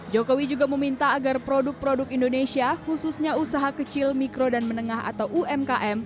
jokowi juga meminta agar produk produk indonesia khususnya usaha kecil mikro dan menengah atau umkm